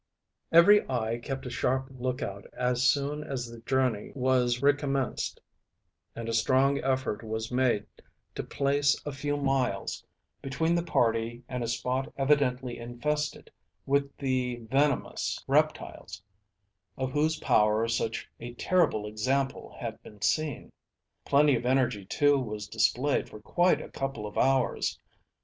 Every eye kept a sharp lookout as soon as the journey was recommenced, and a strong effort was made to place a few miles between the party and a spot evidently infested with the venomous reptiles of whose power such a terrible example had been seen. Plenty of energy too was displayed for quite a couple of hours.